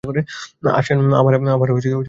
আমার খেজুরের নামে!